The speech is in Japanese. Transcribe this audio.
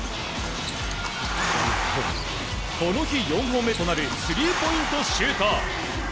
この日４本目となるスリーポイントシュート！